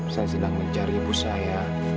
saya sedang mencari ibu saya